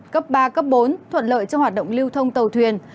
cấp ba cấp bốn thuận lợi cho hoạt động lưu thông tàu thuyền